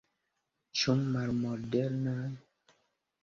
Ĉu malmodernaj?